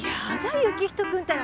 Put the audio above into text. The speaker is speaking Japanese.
行人君ったら。